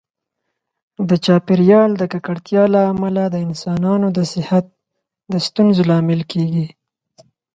د چاپیریال د ککړتیا له امله د انسانانو د صحت د ستونزو لامل کېږي.